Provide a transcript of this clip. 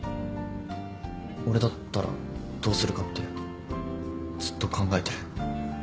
俺だったらどうするかってずっと考えてる。